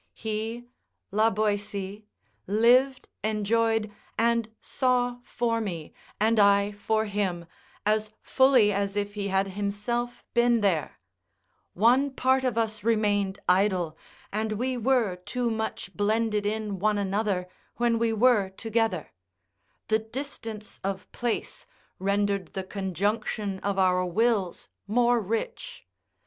He [La Boetie.] lived, enjoyed, and saw for me, and I for him, as fully as if he had himself been there; one part of us remained idle, and we were too much blended in one another when we were together; the distance of place rendered the conjunction of our wills more rich.